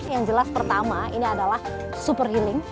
yang jelas pertama ini adalah super healing